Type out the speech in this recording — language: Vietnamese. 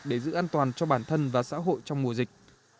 để giữ an toàn cho bản thân và xã hội trong mùa dịch